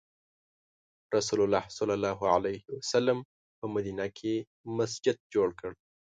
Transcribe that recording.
رسول الله په مدینه کې مسجد جوړ کړ.